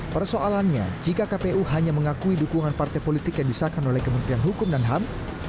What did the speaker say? persoalannya jika kpu hanya mengakui dukungan partai politik yang disahkan oleh kementerian hukum dan ham